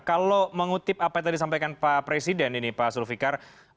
kalau mengutip apa yang tadi sampaikan pak presiden ini pak sulfikar